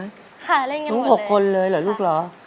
ค่ะเล่นกันหมดเลยน้องหกคนเลยเหรอลูกเหรอ